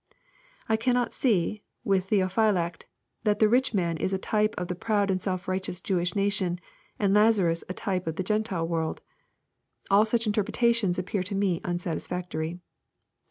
— I cannot see, with Theophylact, that tlie rich man is a type of the proud and self righteous Jewish nation, and Laz arus a type of the Gentile world. — All such interpretations appear to me unsatisfactory.